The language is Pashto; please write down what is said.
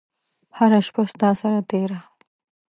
هره شیبه ستا سره تیره